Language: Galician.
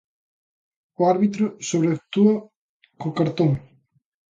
O árbitro sobre actúa co cartón.